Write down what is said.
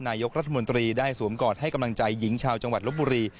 นายกรัฐมนตรีได้สวมกอดให้กำลังใจหญิงชาวจังหวัดลบบุรี